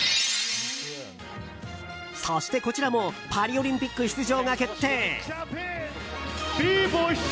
そしてこちらもパリオリンピック出場が決定。